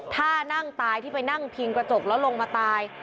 ถ้านั่งตายที่ไปนั่งพิงกระจกแล้วลงมาตาย